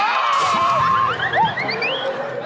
โอ้โฮ